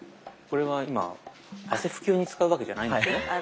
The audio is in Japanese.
これは今汗拭き用に使うわけじゃないんですね。